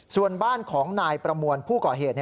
ส่วนบ้านของนายประมวลผู้ก่อเหตุ